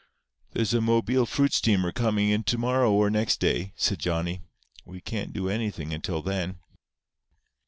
"There's a Mobile fruit steamer coming in to morrow or next day," said Johnny. "We can't do anything until then."